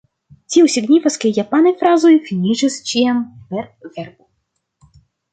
Tio signifas ke japanaj frazoj finiĝas ĉiam per verbo.